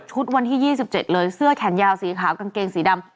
วันที่๒๗เลยเสื้อแขนยาวสีขาวกางเกงสีดำ